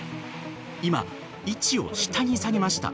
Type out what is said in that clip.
今、位置を下に下げました。